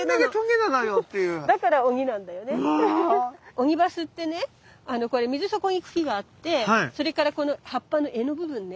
オニバスってねこれ水底に茎があってそれからこの葉っぱの柄の部分ね。